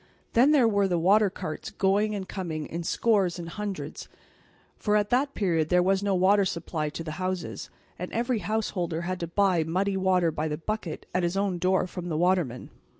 Then there were the water carts going and coming in scores and hundreds, for at that period there was no water supply to the houses, and every house holder had to buy muddy water by the bucket at his own door from the watermen.